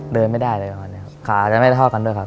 เดินไม่ได้เลยครับขาจะไม่ได้เท่ากันด้วยครับ